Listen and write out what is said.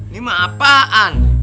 ini mah apaan